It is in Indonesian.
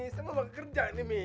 saya mau bangun kerja nih mi